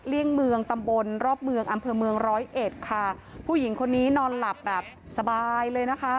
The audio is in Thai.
เลี่ยงเมืองตำบลรอบเมืองอำเภอเมืองร้อยเอ็ดค่ะผู้หญิงคนนี้นอนหลับแบบสบายเลยนะคะ